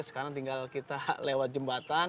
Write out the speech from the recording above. sekarang tinggal kita lewat jembatan